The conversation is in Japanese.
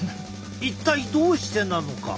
一体どうしてなのか。